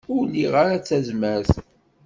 Ur liɣ ara tazmert.